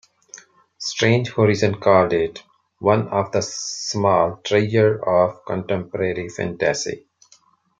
Strange Horizons called it "one of the small treasures of contemporary fantasy".